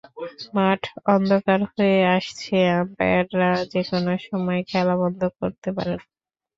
মাঠ অন্ধকার হয়ে আসছে, আম্পায়াররা যেকোনো সময় খেলা বন্ধ করতে পারেন।